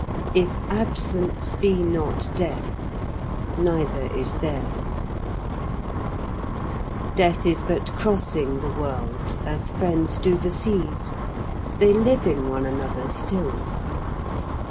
130. If Absence be not death, neither is theirs.131. Death is but Crossing the World, as Friends do the Seas; They live in one another still.